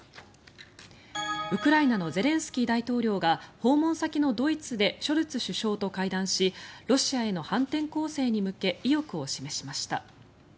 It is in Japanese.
ウクライナのゼレンスキー大統領が訪問先のドイツでショルツ首相と会談しロシアへの反転攻勢に向け意欲を示しました。